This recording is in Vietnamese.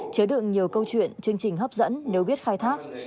chứa đựng nhiều câu chuyện chương trình hấp dẫn nếu biết khai thác